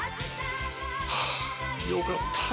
はぁよかった。